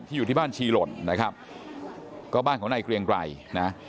อยู่ที่บ้านชีหล่นนะครับก็บ้านของนายเกรียงไกรนะ